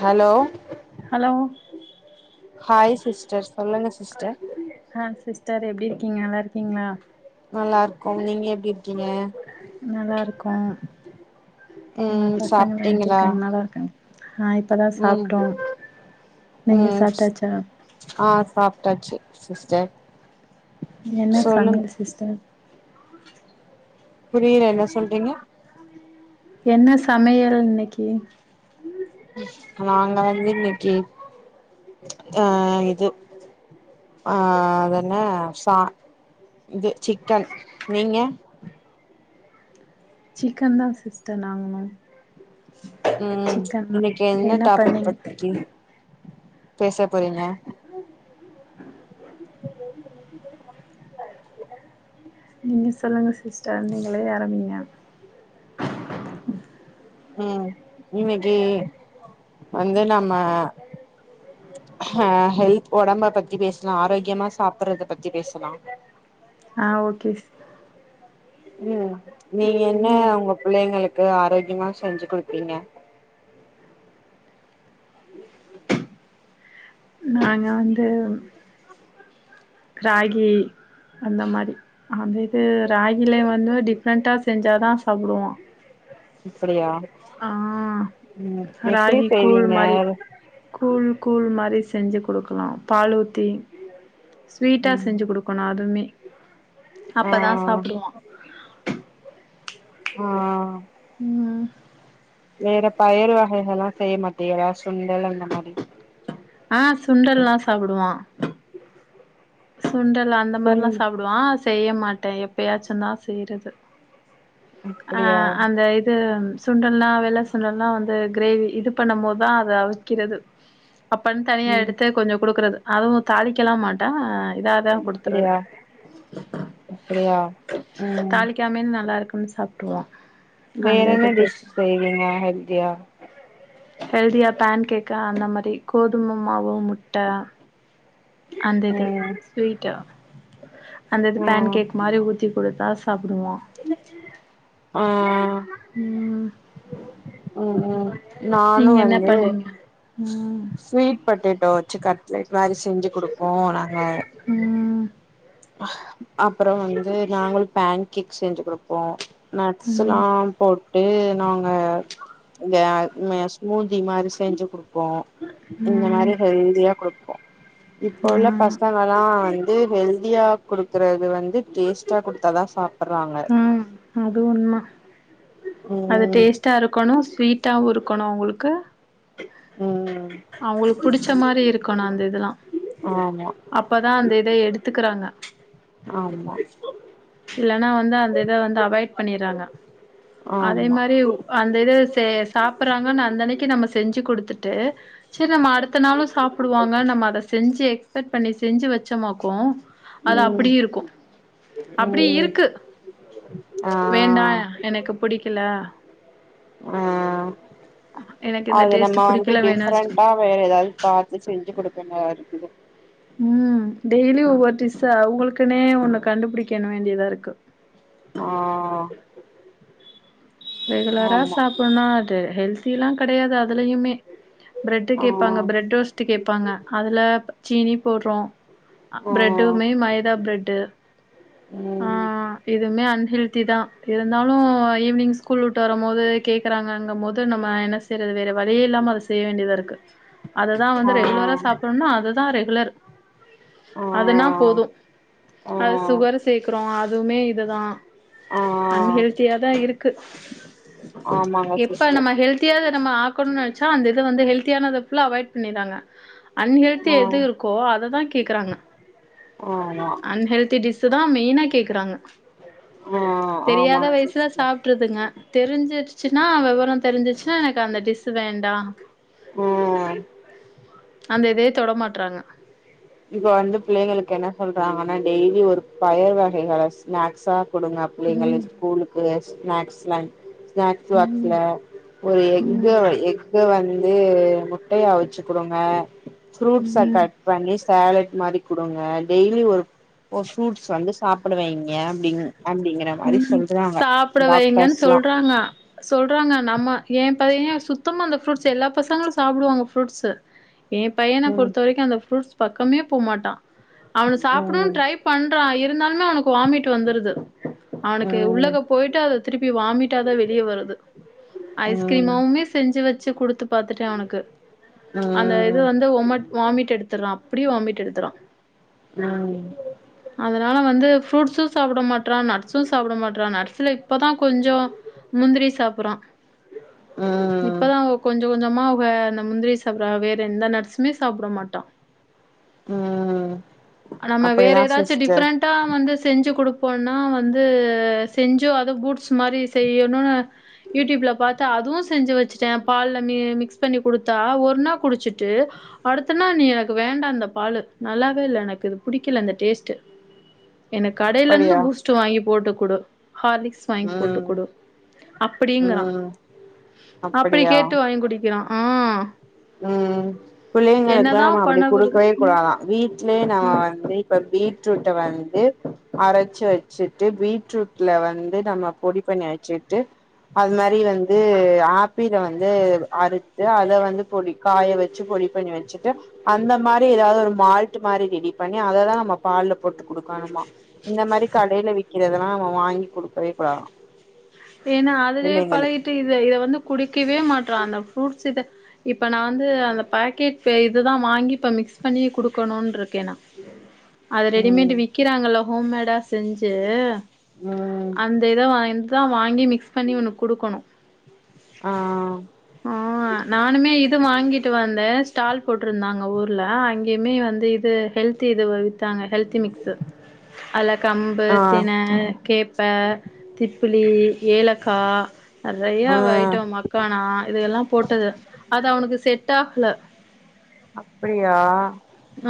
Hello hello hi sister சொல்லுங்க sister ஆ sister எப்டி இருக்கீங்க நல்லா இருக்கீங்களா நல்லா இருக்கோ நீங்க எப்டி இருக்கீங்க நல்லா இருக்கோ உங் ம் பசங்கலா சாப்ட்டீங்களா எப்டியிருக்காங்க நல்லா இருக்காங்க ஆ இப்பதா ம் சாப்ட்டோ நீங்க ம் சாப்ட்டாச்சா ஆ சாப்ட்டாச்சு சிஸ்டர் என்ன சொல்லுங் சமயல் சிஸ்டர் புரியில என்ன சொல்றீங்க என்ன சமையல் இன்னைக்கு நாங்க வந்து இன்னைக்கு அ இது ஆ அதென்னா சா இது சிக்கன் நீங்க சிக்கன் தா சிஸ்டர் நாங்களு ம் சிக்கன் தா இன்னைக்கு என்ன டாபிக் பத்தி பேச போறீங்க நீங்க சொல்லுங்க சிஸ்டர் நீங்களே ஆரம்பிங்க அ இன்னைக்கு வந்து நாம்ம ஹா ஹெல்த் உடம்பை பத்தி பேசலா ஆரோக்கியமா சாப்பிடுறத பத்தி பேசலா ஆ ஓகே உம் நீங்க என்ன உங்க பிள்ளைங்களுக்கு ஆரோக்கியமா செஞ்சு குடுப்பீங்க நாங்க வந்து க்ராகி அந்த மாத்ரி அந் இது ராகில வந்து டிஃப்ரெண்ட்டா செஞ்சா தா சாப்டுவா அப்டியா உம் எப்டி ராகி கூழ் செய்வீங்க மாரி கூழ் கூழ் மாரி செஞ்சு குடுக்கலா பாலூத்தி ஸ்வீட்டா ம் செஞ்சு குடுக்கணு அதுமே ஆ அப்பதா ஸ் சாப்டுவான் ஹ ம் ஆ வேற பயிர் வகைகளல்லா செய்ய மாட்டீகளா சுண்டல் அந்த மாரி ஆ சுண்டல்லா சாப்டுவான் சுண்டல் அந்த சுண் மாரில்லா சாப்டுவான் செய்ய மாட்ட எப்பயாச்சுந்தா செய்றது ஆ அப்படியா அந்த இது சுண்டல்லா வெள்ள சுண்டல்லா வந்து கிரேவி இது பண்ணம்போதா அது அவிக்கறது அப்பன்னு தனியா ம் எடுத்து கொஞ்சொ குடுக்கறது அதுவு தாளிக்கல்லா மாட்டா இதாதா குடுத்தர்றது அப்படியா அப்படியா ம் தாளி க்காமயே நல்லா இருக்குன்னு சாப்ட்ருவான் வேறென்ன டிஷ் செய்வீங்க ஹெல்தியா ஹெல்தியா பேன் கேக்கு அந்த மாரி கோதும மாவு முட்ட அந்த இது ம் ஸ்வீட்டு அந்த இது பேன் கேக் மாரி ஊத்தி குடுத்தா சாப்டுவான் ஆ ம் ம் நானு நீங்க என்ன வந்து பண்ணுவீங்க ம் ஸ்வீட் பொட்டேட்டோ வெச்சு கட்லெட் மாரி செஞ்சு குடுப்போ நாங்க ம் அப்றோ வந்து நாங்களு பேன் கேக் செஞ்சு குடுப்போ நட்ஸ்ல்லா ம் போ ட்டு நாங்க எ மெ ஸ்மூதி மாரி செஞ்சு குடுப்போ இந்த மாரி ம் ஹெல்தியா குடுப்போ இப்போ உள்ள ஆ பசங்கல்லா வந்து ஹெல் தியா குடுக்கறது வந்து டேஸ்ட்டா குடுத்தாதா சா ம் அது உண்ம அது ம் டேஸ் ட்டா இருக்கணு ஸ்வீட்டாவு இருக்கணு அவுங்களுக்கு ம் அவுங்களுக்கு புடிச்ச மாரி இருக்கணு அந்த இதெல்லா ஆமா அப்பதா அந்த இத எடுத்துக்கறாங்க ஆமா இல்லனா வந்து அந்த இத வந்து அவாய்ட் பண்ணிறாங்க அதே ஆமா மாரி அந்த இது செ சாப்பறாங்கன்னு அந்தன்னைக்கு நம்ம செஞ்சு குடுத்துட்டு சேரி நம்ம அடுத்த நாளு சாப்டுவாங்க நம்ம அத செஞ்சு எக்ஸ்பெக்ட் பண்ணி செஞ்சு வெச்சோமாக்கு ம் அது அப்டியே இருக்கு அப்டி ம் இருக்கு ஆ வேண்டா எனக்கு புடிக்கல ஆ எனக்கு இந்த அது நம்ம டேஸ்ட்டு வந்து புடிக்கல வேணா வெச்சு டிஃப்ரெண்டா வேற எதாவது பாத்து செஞ்சு குடுப்பேனாரு ம் டெய்லி ஒவ்வொரு டிஷ்ஷா அவுங்களுக்குனே ஒன்னு கண்டுபிடிக்கனு வேண்டிதா இருக்கு ஆ ரெகுலரா ஆமா சாப்பன்னு அது ஹெல்தியெல்லா கெடையாது அதுலயுமே பிரெட் ஆ கேப்பாங்க பிரெட் டோஸ்ட்டு கேப்பாங்க அதுல சீனி போடுறோ ஆ பிரெட்டுமே மைதா பிரெட்டு் ஆ ம் இதுமே அன்ஹெல் திதா இருந்தாலு ஈவினிங் ஸ்கூல் விட்டு வரம்போது கேக்கறாங்கங்கும்போது நம்ம என்ன செ ய்யறது வேற வழியே இல்லாம அத செய்ய வேண்டிதா இருக்கு அததா வந்து ஆ ரெகுலரா சாப்ட்ணுனா அதுதா ரெகுலர் ஆ அதுனா போது ஆ அது சுகர் சேக்றோ அதுமே இதுதா ஆ அன்ஹெல்த்தியாதா இருக்கு ஆமாங்க எப்ப சிஸ்டர் நம்ம ஹெல்த் த்தியா அத நம்ம ஆக்கணுனு நெனச்சா அந்த இத வந்து ஹெல்தியானத ஃபுல்லா அவாய்ட் பண்ணிறாங்க ஆ அன்ஹெல்த்தியா எது இருக்கோ அததா கேக்கறாங்க ஆமா அன்ஹெல்த்தி டிஷ் தா மெயினா கேக்குறாங்க ஆ தெரியாத ஆமாங்க வயசுல சிஸ்டர் சாப்ட் ருதுங்க தெரிஞ்சுருச்சுனா வெவரொ தெரிஞ்சுச்சுன்னா எனக்கு அந்த டிஷ்ஷு வேண்டா ம் அந்த இதே தொட மாட்றாங்க இப்ப வந்து பிள்ளைங்களுக்கு என்ன சொல்றாங்கன்னா டெய்லி ஒரு பயர் வகைகள ஸ்நாக்ஸா கொடுங்க புள்ளைங்களுக் ம் ஸ்கூலுக்கு ஸ்நாக்ஸ்லா ஸ்நாக்ஸ் ம் பாக்ஸ்ல ஒரு ம் எக்கு எக்கு வந்து ட்டையா அவுச்சு குடுங்க ஃப்ரூட்ச ம் கட் பண்ணி சேலட் மாரி குடுங்க டெய்லி ஒரு ஃப்ரூட்ஸ் வந்து சாப்புட வைங்க அப்டினு ம் ம் சாப்பிட வைங்கன்னு டாக்டர்ஸ்லா சொல்றாங்க சொல்றாங்க நம்ம ஏ பையன் சுத்தமா அந்த ஃப்ரூட்ஸ் எல்லா பசங்களு சாப்டுவாங்க ஃரூட்ஸ்ஸு ஏம் பையன ம் பொறுத்த வரைக்கு அந்த ரூட்ஸ் பக்கமே போ மாட்டா அவன சாப்டு ம் ட்ரை பண்றா இருந்தால்மே அவனுக்கு வாமிட் வந்துருது அவனுக்கு ம் உள்ளக போய்ட்டு அது திருப்பி வாமிட்டாதா வெளிய வருது ம் ஐஸ்கிரீமாவுமே செஞ்சு வச்சு குடுத்து பாத்துட்டே அவுனுக்கு அந்த இது ம் வந்து உமட் வாமிட் எடுத்துறா அப்டி வாமிட் எடுத்துறா ஆ அதனால வந்து ஃப்ரூட்ஸு சாப்ட மாட்றா நட் ஸு சாப்ட மாட்றா நட்ஸ்ல இப்பதா கொஞ்சொ முந்திரி சாப்புறா ம் இப்பதா கொஞ்சொ கொஞ்சமா அவ்க இந்த முந்திரி சாப்பிட்றா வேற எந்த நட்ஸுமே சாப்ட மாட்டா ம் ம் நம்ம வேற அப்படிதா எதாச்சு சிஸ்டர் டிஃப்ரெண்ட் டா வந்து செஞ்சு குடுப்போனா வந்து செஞ்சோ அத பூட்ஸ் மாரி செய்யணுனு யூடியூப்ல பாத்தா அதுவு செஞ்சு வச்சுட்டே பால்ல மி மிக்ஸ் பண்ணி கொடுத்தா ஒரு நா குடுச்சிட்டு அடுத்தனா நீ எனக்கு வேண்டா அந்த பாலு நல்லாவே இல்ல எனக்கு இது புடிக்கல அந்த டேஸ்ட்டு எனக் கடைல இர்ந்து அப்படியா பூஸ்ட் வாங்கி போட்டு குடு ஹார்லிக்ஸ் வாங்கி போட்டு ம் குடு அப்டிங்குறா ம் அப்டி அப்படியா கேட்டு வாங் குடிக்கிறா ஆ ம் பிள்ளைங்களுக்குலா என்னதா நம்ம அப்டி பண்ண போறது குடுக்கவே ம் கூடாதா வீட்லே நாம ஆ வந்து இப்ப பீட்ரூட்ட வந்து அரச்சு வச்சுட்டு பீட்ரூட்ல வந்து நம்ம பொடி பண்ணி வச்சுட்டு அது மாரி வந்து ஆப்பில வந்து அறுத்து அத வந்து பொடி காய வச்சு பொடி பண்ணி வச்சுட்டு அந்த மாரி எதாவது ஒரு மால்ட் மாரி ரெடி பண்ணி அததா நம்ம பால்ல போட்டு குடுக்கணுமா இந்த மாரி கடைல விக்கிறதெல்லா நம்ம வாங்கி குடுக்கவே கூடாதா ஏன்னா அதுவே பிள்ளைங்களுக்கு பழகிட்டு இத இத வந்து குடிக்கவே மாட்றா அந்த ஃப்ரூட்ஸ் இத இப்ப நா வந்து அந்த பாக்கெட் [unintelligible] இதுதா வாங்கி இப்ப மிக்ஸ் பண்ணியே குடுக்கணுன்ருக்கே நா அத ரெடிமேடு ம் விக்கிறாங்கல்ல ஹோம்மேடா செஞ்சு ம் அந்த இத வாங் தா வாங்கி மிக்ஸ் பண்ணி இவனுக் குடுக்கணு ஆ ஆ நானுமே இது வாங்கிட்டு வந்த ஸ்டால் போட்ருந்தாங்க ஊர்ல அங்கயுமே வந்து இது ஹெல்த் இது வித்தாங்க ஹெல்த் மிக்ஸ் அதுல கம்பு ஆ திண கேப்ப புளி ஏலக்கா நெறய ஆ வய் ட்டு மக்கானா இது எல்லா போட்டது அது அவனுக்கு செட் ஆக்ல அப்டியா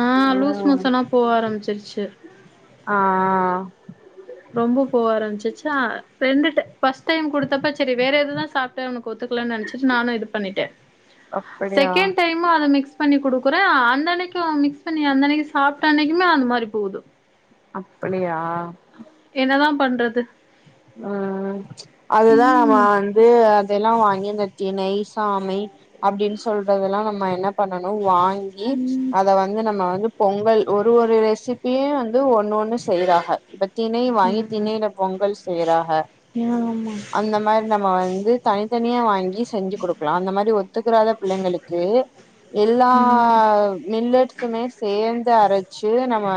ஆ லூஸ் ம் மோஷனா போக ஆரம்பிச்சிருச்சு ஆ ரொம்ப போக ஆரம்பிச்சிச்சா ஃப்ரெண்டுட்ட ஃபர்ஸ்ட் டைம் குடுத்தப்ப செரி வேற எதுதா சாப்ட்ட இவனுக்கு ஒத்துக்கலனு நெனைச்சிட்டு நானு இது பண்ணிட்ட அப்படியா செகண்ட் டைம் அத மிக்ஸ் பண்ணி குடுக்குறே அந்த அன்னைக்கு மிக்ஸ் அந்தன்னைக்கு சாப்ட்ட அன்னைக்குமே அந்த மாரி போது அப்படியா என்னதா பண்றது ம் அதுதா நம்ம ம் வந்து அதெல்லா வாங்கி இந்த த் நெய் சாமை அப்படின் சொல்றதெல்லா நம்ம என்ன பண்ணணு வாங் கி அத வந்து நம்ம வந்து பொங்கல் ஒரு ஒரு ரெசிபியு வந்து ஒன் ஒன்னு செய்றாக இப்ப திணை வாங்கி ம் திணைல பொங்கல் செய்றாக ஆமா அந்த மாரி நம்ம வந்து தனித்தனியா வாங்கி செஞ்சு குடுக்கலா அந்த மாரி ஒத்துக்கிறாத பிள்ளைங்களுக்கு எல்லா ம் மில்லட் ஸ்மே சேந்து அரச்சு நம்ம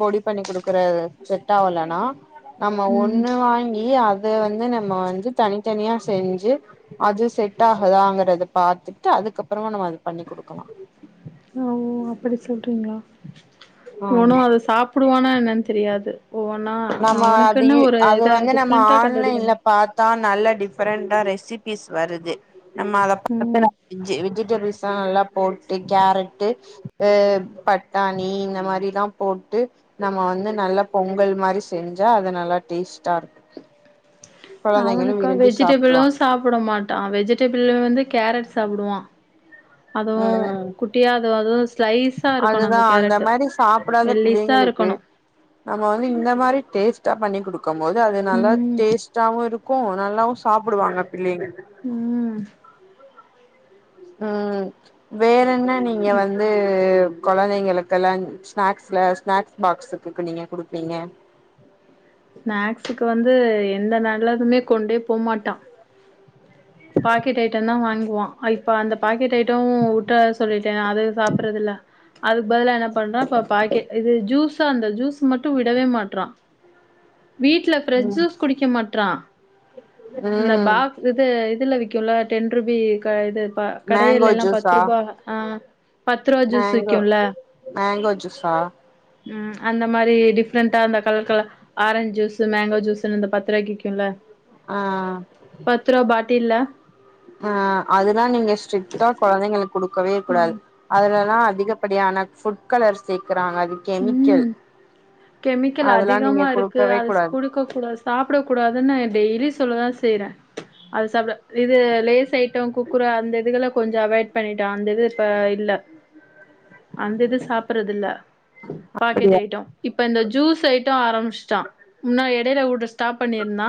பொடி பண்ணி குடுக்குறது செட்டாவலனா நம்ம ம் ஒன்னு வாங்கி அத வந்து நம்ம வந்து தனித்தனியா செஞ்சு அது செட் ஆகுதாங்கறத பாத்துட்டு அதுக்கப்பறமா நம்ம அத பண்ணி் குடுக்கலா ஆவு அப்டி சொல்றீங்ளா ஒனும் ஆமா அத சாப்டுவானா என்னன் தெரியாது ஒவ்வொன்னா நம்ம அது அவனுக்குன்னு ஒரு அது இத வந்து நம்ம டிஃப்ரெண்டா ஆன்லைன்ல கண்டுபிடிக்கணு பாத் தா நல்ல டிஃப்ரெண்டா ரெசிபிஸ் வருது நம்ம அத ம் பாக்கணு வெஜ் வெஜிடபிள்ஸா நல்லா போட்டு கேரட்டு அ பட்டாணி இந்த மாரில்லா போட்டு நம்ம வந்து நல்லா பொங்கல் மாரி செஞ்சா அது நல்லா டேஸ்ட்டாருக்கு அவனுக்கா வெஜிடபிளு சாப்டுவாங்க சாப்ட மாட்டா வெஜிடபிள வந்து கேரட் சாப்டுவா அதுவு குட்டியா அது அதுவு ஸ்லைஸா இருக்கணு அதுதா அந்த கேரட்டு் மாரி சாப்டாத மெல்லிஸா பிள்ளைங்களுக்கு இருக்கணு நம்ம வந்து இந்த மாரி டேஸ்ட்டா பண்ணி குடுக்கு போது அது நல்லா ம் டேஸ்ட்டாவு இருக்கு நல்லாவு சாப்டுவாங்க பிள்ளைங்க ம் ம் வேற என்ன நீங்க வந்து கொழந்தைங்களுகெல் லா ஸ்நாக்ஸ்ல ஸ்நாக்ஸ் பாக்ஸ்க்கு இப்ப நீங்க குடுப்பீங்க ஸ்நாக்ஸுக்கு வந்து எந்த நல்லதுமே கொண்டே போமாட்டா பாக்கெட் ஐட்டம் தா வாங்குவா இப்ப அந்த பாக்கெட் ஐட்ட உட சொல்லி ட்ட அது சாப்டறதுல்ல அதுக்கு பதிலா என்ன பண்றா இப்ப பாக்கெட் இது ஜூஸா அந்த ஜூஸ் மட்டு விடவே மாட்றா வீட்ல ஃப்ரெஷ் ம் ஜூஸ் குடிக்க மாட்றா இந்த ம் பாக்ஸ் இது இதுல விக்குல டென்ருபி இது மேங்கோ கடைலல்லா ஜூஸா பத்ருபா ஆ பத்து ரூபா ஜூஸ் மேங்கோ விக்கும்ல மேங்கோ ஜூஸா ம் அந்த மாரி டிஃப்ரெண்டா அந்த கலர்கல ஆரஞ்ச் ஜூஸு மேங்கோ ஜூஸுன் இந்த பத்ரூபாய்க்கு விக்குல அ பத்துருவா பாட்டில்ல அ அதுலா நீங்க ஸ்ட்ரிக்டா கொழந்தைங்களுக் குடுக்கவே கூடாது. அதுலல்லா அதிகப்படியான ஃபுட் கலர் சேக்கறாங்க அது கெமிக்கல். ம் கெமிக்கல் அதெல்லா நீங்க அதிகமா இருக்கு குடுக்கவே அதுஸ் கூடாது குடு க்க கூடாது சாப்பிடக் கூடாதுன்னு டெய்லி சொல்லதா செய்றே. அது சாப்ட இது லேஸ் ஐட்டோ குக்குரோ அந்த இதுகள கொஞ்சோ அவாய்ட் பண்ணிட்டா அந்த இது இப்ப இல்ல. அந்த இது சாப்பறதில்ல. பாக்கெட் அப்டியா ஐட்டோ இப்ப இந்த ஜூஸ் ஐட்டோ ஆரமிச்ட்டா முன்னா எடைல உட ஸ்டாப் பண்ணிர்ந்தா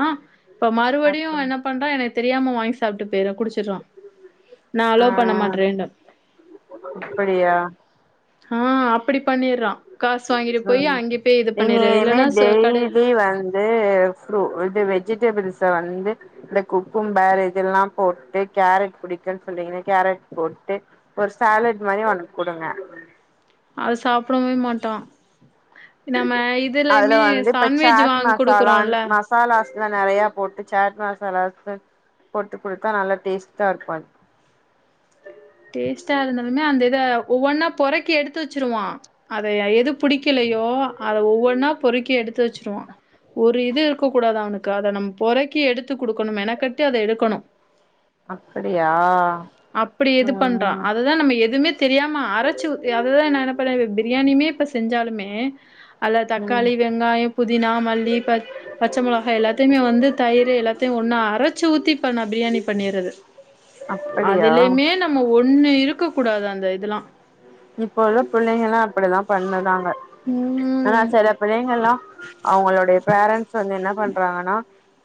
இப்ப மறுவடியு அப்ப இவ என்ன பண்றா எனக்கு தெரியாம வாங்கி சாப்ட்டு போய்றா குடிச்சுட்றா‌ நா ஆ அலோ பண்ண மாட்றேன்டு. அப்படியா ஆ அப்பிடி பண்ணிர்றா காசு வாங்கிட்டு போயி அங் எங்கிமே டெய்லி வந் து ஃப்ரு இது வெஜிடெபிள்ஸ வந்து இந்த குக்கும்பர் இதெல்லாம் போட்டு கேரட் பிடிக்குன் சொன்னிங்கல கேரட் போட்டு ஒரு சாலட் மாரி அவுனுக் குடுங்க. அத சாப்படவே மாட்டா. நம்ம அதுல இதுலயுமே சான்வெஜ் வாங் குடுக்குறோல்ல சாலாஸ்ல்லா நெறையா போட்டு சேட் மசாலாஸு போட்டு குடுத்தா நல்லா டேஸ்ட்டாருக்கு அது. டேஸ்டா இருந்தாலுமே அந்த இத ஒவ்வொன்னா பொறக்கி எடுத்து வெச்சுருவா. அதைய எது புடிக்கலையோ அத ஒவ்வொன்னா பொறுக்கி எடுத்து வெச்சிருவா. ஒரு இது இருக்க கூடாது அவனுக்கு அத நம் பொறக்கி எடுத்து குடுக்கணு மெனக்கெட்டு அத எடுக்கணு. அப்பிடியா? அப்படி இது பண்றா அததா நம்ம எதுமே தெரியாம அரைச்சு ஊத் அததா நா என்ன பண்ண இப்ப பிரியாணிமே இப்ப ஸ் செஞ்சாலுமே அதல ம் தக்காளி, வெங்காயம், புதினா, மல்லி, பச் பச்ச மோளகா எல்லாத்தைமே வந்து தயிரு எல்லாத்தையு ஒன்னா அரைச்சு ஊத்தி இப்ப நா பிரியாணி பண்ணிர்றது. ச அப்படியா? நம்ம ஒன்னு இருக்க கூடாது அந்த இதலா. இப்ப உள்ள புள்ளைங்கல்லா அப்பிடிதா பண்ணதாங்க ஆனா ம் செல பிள்ளைங்கள்லா அவுங்களுடைய பேரண்ட்ஸ் வந்து என்ன பண்றாங்கனா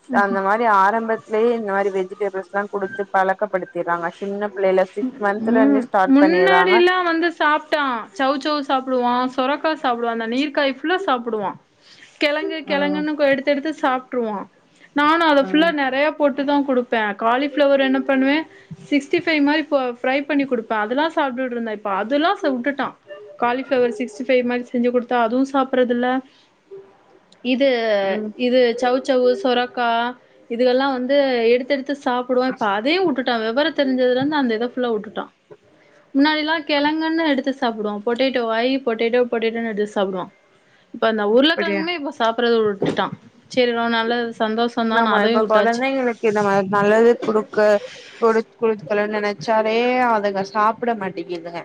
ஸ் அந்த மா ரி ஆரம்பத்லியே இந்த மாரி வெஜிடபிள்ஸ்லா குடுத்து பழக்கப்படுத்திர்றாங்க சின்ன புள்ளைல சிக்ஸ் மந்த்துலந்தே ம் ஸ்டாட் பண்ணிர்றாங்க. முன்னாடில்லா வந்து சாப்ட்டா சௌசௌ சாப்புடுவா சொர க்கா சாப்புடுவா அந்த நீர்க்காய் ஃபுல்லா சாப்புடுவா கெழங்கு ம் கெழங்குன்னு கொ எடுத்து எடுத்து சாப்ட்ருவா. நானு அத ஃபுல்லா ம் நெறையா போட்டுதா குடுப்பே காலி ஃபிளவர் என்ன பண்ணுவே சிக்ஸ்டி ஃபை மாரி ப்போ ஃபிரை பண்ணி குடுப்பே அதுலா சாப்ட்டுட்ருந்தா இப் ப அதுல்லா ச உட்டுட்டா காலிஃபிளவர் சிக்ஸ்டி ஃபைவ் மாரி செஞ்சு குடுத்தா அதுவு சாப்பறதில்ல. இது ம் இது சௌ சௌவு சொரக்கா இதுகல்லா வந்து எடுத்தெடுத் து சாப்புடுவா இப்ப அதயு உட்டுட்டா விவர தெரிஞ்சதுலந்து அந்த இத ஃபுல்லா உட்டுட்டா. முன்னாடி எல்லா கெழங்குன்னு எடுத்து சாப்புடுவா பொட்டேட்டோ வா ஐ பொட்டேட்டோ பொட்டேட்டோன் எடுத்து சாப்புடுவா. இப்ப அந்த அப்படியா உருளக்கெழங்குமே இப்ப சாப்புட்றது வுட்டுட்டா சரி நல்லது சந்தோஷ் ஆமா இப்ப கொழந்தைகளுக்கு இந்த மார் நல்லது குடுக்கு ஒரு கொடுக்கலன் நெனச்சாலே அதுக சாப்பிட மாட்டேங்கிதுங்க